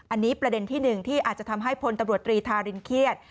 อันนี้ประเด็นที่หนึ่งที่อาจจะทำให้พลตำรวจตรีทารินเครียด